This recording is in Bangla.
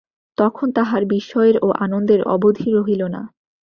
তখন তাঁহার বিস্ময়ের ও আনন্দের অবধি রহিল না।